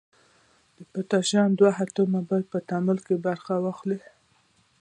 د پوتاشیم دوه اتومه باید په تعامل کې برخه واخلي.